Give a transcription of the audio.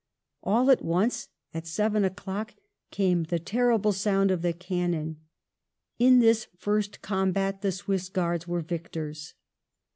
... All at once (at 7 o'clock) came the terrible sound of cannon. In this first combat the Swiss Guards were victors."